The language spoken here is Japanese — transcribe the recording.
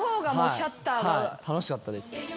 楽しかったです。